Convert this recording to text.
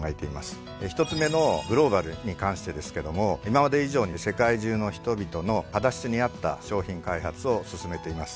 １つ目のグローバルに関してですけども今まで以上に世界中の人々の肌質に合った商品開発を進めています。